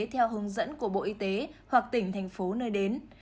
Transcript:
theo hướng dẫn của bộ y tế hoặc tỉnh thành phố nơi đến